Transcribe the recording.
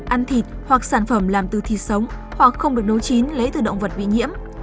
ăn thịt hoặc sản phẩm làm từ thịt sống hoặc không được nấu chín lấy từ động vật bị nhiễm